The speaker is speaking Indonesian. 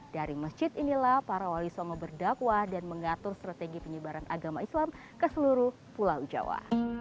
dari masjid inilah para wali songo berdakwah dan mengatur strategi penyebaran agama islam ke seluruh pulau jawa